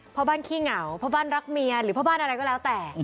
พ่อบ้านขี้เหงาเพราะบ้านรักเมียหรือพ่อบ้านอะไรก็แล้วแต่